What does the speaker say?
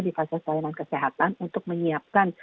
di fasilitas pelayanan kesehatan untuk menyiapkan